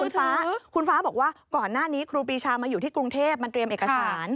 คุณฟ้าคุณฟ้าบอกว่าก่อนหน้านี้ครูปีชามาอยู่ที่กรุงเทพมันเตรียมเอกสาร